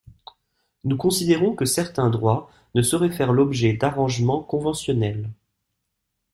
Nous considérons que certains droits ne sauraient faire l’objet d’arrangements conventionnels.